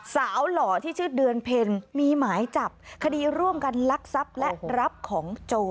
หล่อที่ชื่อเดือนเพ็ญมีหมายจับคดีร่วมกันลักทรัพย์และรับของโจร